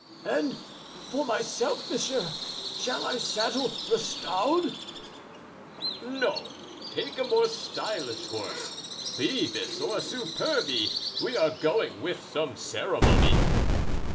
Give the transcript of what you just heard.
"And for myself, monsieur, shall I saddle Rustaud?" "No, take a more stylish horse, Phoebus or Superbe; we are going with some ceremony."